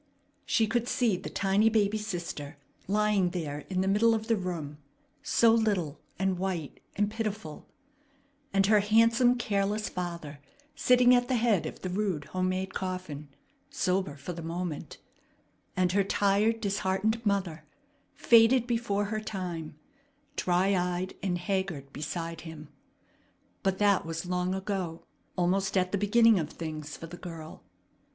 She could see the tiny baby sister lying there in the middle of the room, so little and white and pitiful; and her handsome, careless father sitting at the head of the rude home made coffin, sober for the moment; and her tired, disheartened mother, faded before her time, dry eyed and haggard, beside him. But that was long ago, almost at the beginning of things for the girl.